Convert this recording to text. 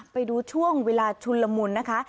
ไปดูช่วงเวลาชุนละมุนนะคะ